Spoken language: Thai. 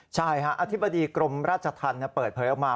ใช่อธิบดีกรมราชธรรมเปิดเผยออกมา